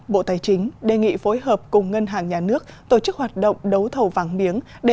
bộ tài chính đề nghị phối hợp cùng ngân hàng nhà nước tổ chức hoạt động đấu thầu vàng miếng để